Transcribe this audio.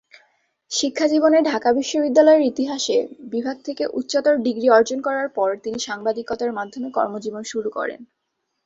শিক্ষাজীবনে ঢাকা বিশ্ববিদ্যালয়ের ইতিহাসে বিভাগ থেকে উচ্চতর ডিগ্রি অর্জন করার পর তিনি সাংবাদিকতার মাধ্যমে কর্মজীবন শুরু করেন।